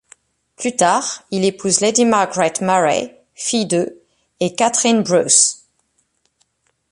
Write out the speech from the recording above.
Plus tard, il épouse Lady Margaret Murray, fille de et Catherine Bruce.